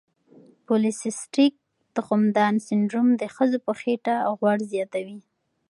پولی سیسټیک تخمدان سنډروم د ښځو په خېټه غوړ زیاتوي.